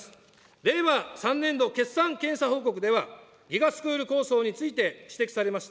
令和３年度決算検査報告では、ＧＩＧＡスクール構想について指摘されました。